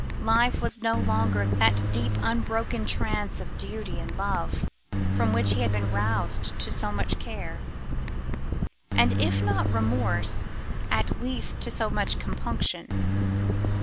Life was no longer that deep unbroken trance of duty and of love from which he had been roused to so much care; and if not remorse, at least to so much compunction.